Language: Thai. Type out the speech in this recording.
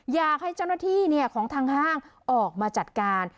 อยากให้เจ้าหน้าที่ของทางห้างออกมาจัดการ